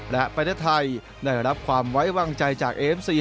และประเทศไทยได้รับความไว้วางใจจากเอฟซี